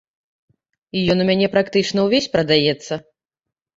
І ён у мяне практычна ўвесь прадаецца.